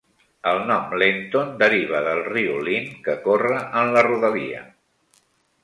El nom "Lenton" deriva del riu Leen, que corre en la rodalia.